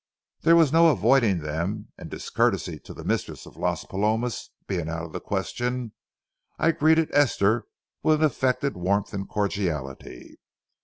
There was no avoiding them, and discourtesy to the mistress of Las Palomas being out of the question, I greeted Esther with an affected warmth and cordiality.